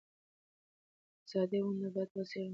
اقتصادي ونډه باید وڅېړل شي.